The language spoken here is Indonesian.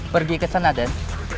pergi kesana den